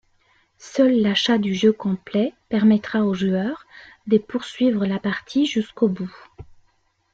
Seul l'achat du jeu complet permettra au joueur de poursuivre la partie jusqu'au bout.